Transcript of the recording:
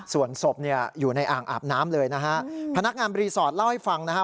ส่วนศพเนี่ยอยู่ในอ่างอาบน้ำเลยนะฮะพนักงานรีสอร์ทเล่าให้ฟังนะฮะ